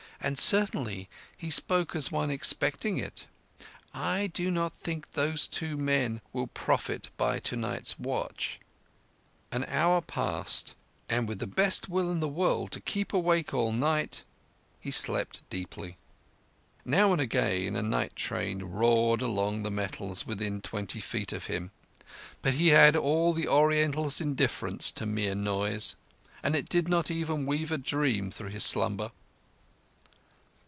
"And certainly he spoke as one expecting it. I do not think those two men will profit by tonight's watch." An hour passed, and, with the best will in the world to keep awake all night, he slept deeply. Now and again a night train roared along the metals within twenty feet of him; but he had all the Oriental's indifference to mere noise, and it did not even weave a dream through his slumber.